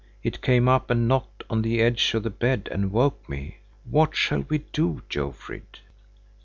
It came up and knocked on the edge of the bed and woke me. What shall we do, Jofrid?"